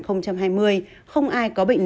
không ai có bệnh